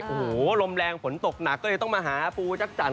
โอ้โหลมแรงฝนตกหนักก็เลยต้องมาหาปูจักจันท